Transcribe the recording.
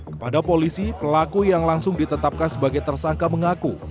kepada polisi pelaku yang langsung ditetapkan sebagai tersangka mengaku